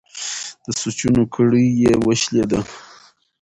د سوچونو کړۍ یې وشلېده.